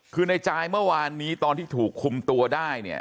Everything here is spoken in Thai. คือในจายเมื่อวานนี้ตอนที่ถูกคุมตัวได้เนี่ย